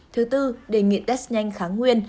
thứ tư đề nghị test nhanh kháng nguyên